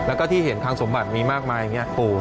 แล้วก็ที่เห็นทางสมบัติมีมากมายอย่างนี้